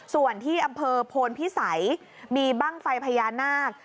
ส่วนที่อำเภอโพนพิสัยมีบ้างไฟพญานาค